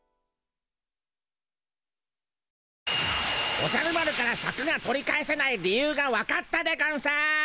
おじゃる丸からシャクが取り返せない理由がわかったでゴンス！